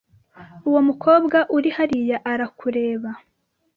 Uwo mukobwa uri hariya arakureba.